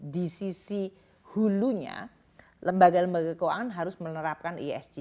di sisi hulunya lembaga lembaga keuangan harus menerapkan esg